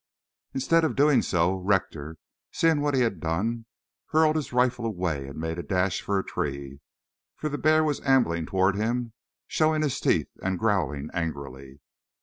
Instead of doing so, Rector, seeing what he had done, hurled his rifle away and made a dash for a tree, for the bear was ambling toward him, showing his teeth and growling angrily.